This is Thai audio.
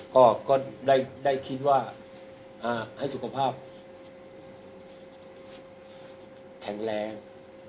ก็ได้คิดว่าให้สุขภาพแข็งแรง